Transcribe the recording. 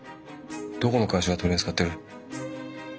どこの会社が取り扱ってる？